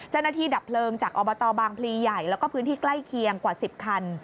ดับเพลิงจากอบตบางพลีใหญ่แล้วก็พื้นที่ใกล้เคียงกว่า๑๐คัน